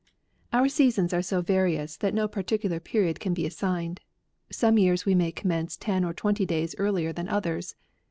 Our seasons are so various, that no particular period can be as signed. Some years we may commence ten or twenty days earlier than others.